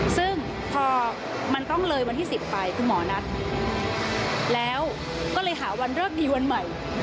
ซึ่งพอมันต้องเลยวันที่๑๐ไปคุณหมอนัดแล้วก็เลยหาวันเลิกดีวันใหม่